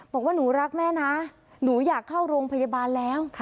บอกว่าหนูรักแม่นะหนูอยากเข้าโรงพยาบาลแล้ว